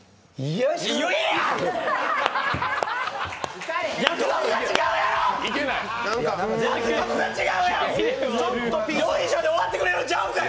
よいしょで終わってくれるちゃうんかい。